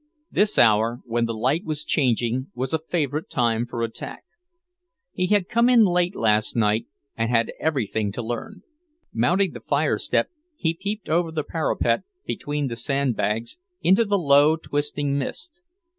This hour, when the light was changing, was a favourite time for attack. He had come in late last night, and had everything to learn. Mounting the firestep, he peeped over the parapet between the sandbags, into the low, twisting mist.